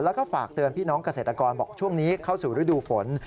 แล้วก็ฝากเตือนพี่น้องเกษตรกรบอกช่วงนี้เข้าสู่ฤดูฝน